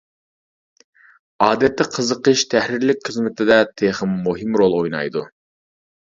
ئادەتتە قىزىقىش تەھرىرلىك خىزمىتىدە تېخىمۇ مۇھىم رول ئوينايدۇ.